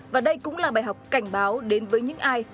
và đây cũng là bài học cảnh báo đến với những ai